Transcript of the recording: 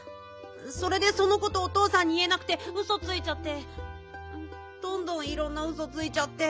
それでそのことおとうさんにいえなくてウソついちゃってどんどんいろんなウソついちゃって。